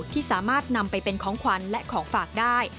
ที่สามารถนำไปเป็นของขวัญและของฝากได้